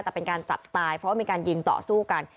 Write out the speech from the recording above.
แต่เป็นการจับตายเพราะว่ามีการยิงต่อสู้กัน